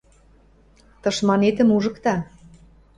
Тышманетӹм ужыкта.